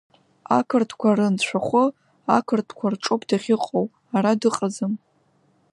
Ақырҭқәа рынцәахәы, ақырҭқәа рҿоуп дахьыҟоу, ара дыҟаӡам.